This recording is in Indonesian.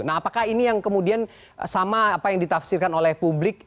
nah apakah ini yang kemudian sama apa yang ditafsirkan oleh publik